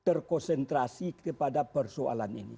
terkonsentrasi kepada persoalan ini